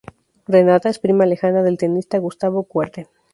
Renata es prima lejano del tenista Gustavo Kuerten.